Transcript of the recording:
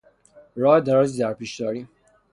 راه درازی در پیش داریم.